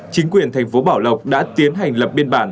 chính quyền thành phố bảo lộc đã tiến hành lập biên bản